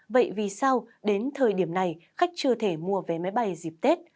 vậy vì sao đến thời điểm này khách chưa thể mua vé máy bay dịp tết